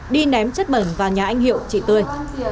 đi ném chất bẩn vào nhà anh hiệu chị tươi